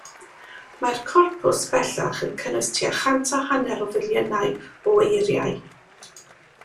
Mae'r corpws bellach yn cynnwys tua chant a hanner o filiynau o eiriau.